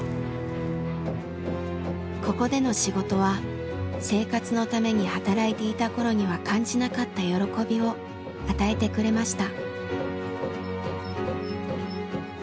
ここでの仕事は生活のために働いていた頃には感じなかった喜びを与えてくれました。